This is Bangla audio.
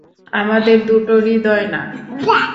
আমাদের দুটো হৃদয় না।